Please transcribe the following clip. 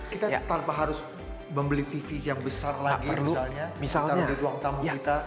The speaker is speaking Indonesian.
kita tanpa harus membeli tv yang besar lagi misalnya kita boleh buang tamu kita